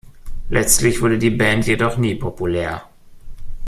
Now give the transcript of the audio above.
Letztlich wurde die Band jedoch nie populär.